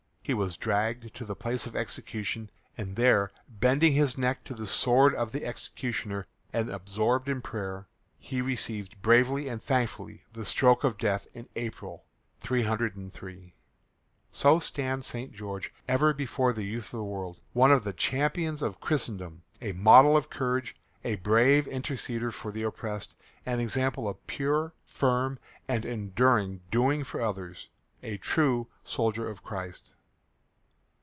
He was dragged to the place of execution, and there, bending his neck to the sword of the executioner and absorbed in prayer, he received bravely and thankfully the stroke of death in April, 303. So stands St. George ever before the youth of the world, one of the champions of Christendom, a model of courage, a brave interceder for the oppressed, an example of pure, firm and enduring doing for others, a true soldier of Christ.